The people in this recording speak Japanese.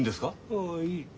ああいい。